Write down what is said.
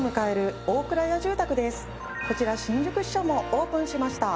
こちら新宿支社もオープンしました。